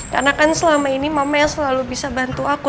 karena kan selama ini mama yang selalu bisa bantu aku